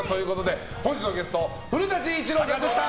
本日のゲストは古舘伊知郎さんでした。